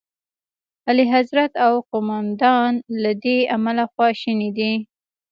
اعلیخضرت او قوماندان له دې امله خواشیني دي.